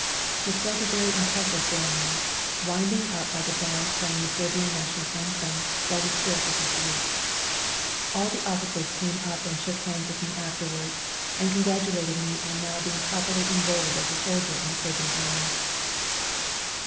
It was a very impressive ceremony, wind ing up by the band playing the Serbian National Anthem while we stood at the salute. All the officers came up and shook hands with me afterwards and congratu lated me on now being properly enrolled as a soldier in the Serbian Army.